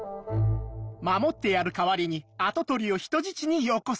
守ってやる代わりに跡取りを人質によこせ。